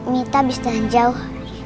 mita bisa jauh